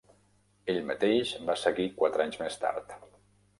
Ell mateix va seguir quatre anys més tard.